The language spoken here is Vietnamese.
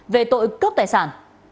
về tội cướp tài sản